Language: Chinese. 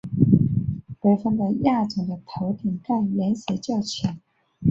北方的亚种的头顶盖颜色较浅。